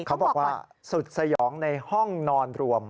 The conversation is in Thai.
เขาบอกว่าสุดสยองในห้องนอนรวม